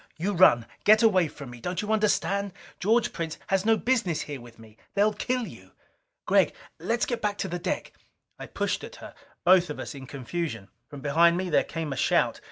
You run! Get away from me! Don't you understand? George Prince has no business here with me! They'll kill you!" "Gregg, let's get back to the deck." I pushed at her, both of us in confusion. From behind me there came a shout.